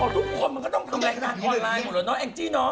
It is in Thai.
อ๋อทุกคนมันก็ต้องทำอะไรขนาดนี้เหรอนะแองจี้น้อง